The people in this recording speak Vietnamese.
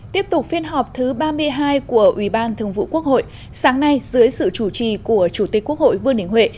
tiếp tục phiên họp thứ ba mươi hai của ubthqh sáng nay dưới sự chủ trì của chủ tịch quốc hội vương đình huệ